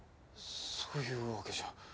そういうわけじゃ。